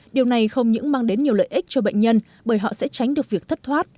điều này không những mang đến nhiều lợi ích cho bệnh nhân bởi họ sẽ tránh được việc thất thoát